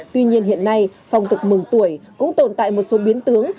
tuy nhiên hiện nay phong tục mừng tuổi cũng tồn tại một số biến tướng